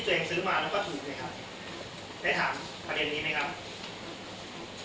ขออยากถามเรื่องเกิดนี้ครับในวันที่มีการเกิดเกณฑ์เนี่ย